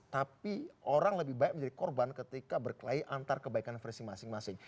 tapi orang lebih baik menjadi korban ketika berkelahi antar kebaikan versi masing masing